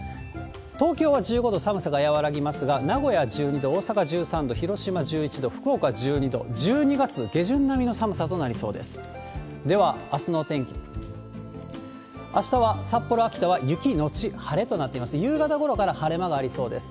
東京は１５度、寒さが和らぎますが、名古屋１２度、大阪１３度、広島１１度、福岡１２度、１２月下旬並みの寒さとなりそうです。